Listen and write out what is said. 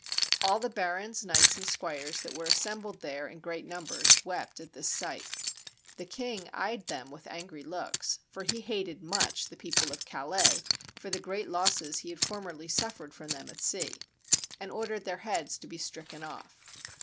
All the barons, knights, and squires that were assem bled there in great numbers, wept at this sight. The king eyed them with angry looks (for he hated much the people of Calais, for the great losses he had formerly suf fered from them at sea), and ordered their heads to be stricken off.